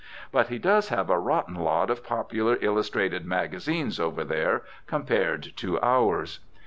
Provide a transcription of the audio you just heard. But he does have a rotten lot of popular illustrated magazines over there compared to ours.